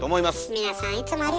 皆さんいつもありがと！